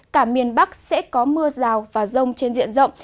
cả miền bắc sẽ có mưa rào và rông trên diện rộng